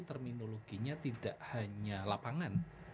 terminologinya tidak hanya lapangan